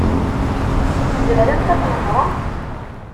Tzemremt ad tnehṛemt?